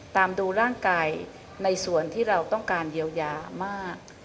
ตามดูร่างกายในส่วนที่เราต้องการเยียวยามาก